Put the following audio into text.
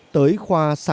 tới khoa sản phẩm